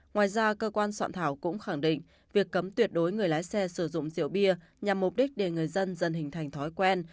ngoài ra cơ quan soạn thảo cũng khẳng định việc cấm tuyệt đối người lái xe sử dụng rượu bia nhằm mục đích để người dân dần hình thành thói quen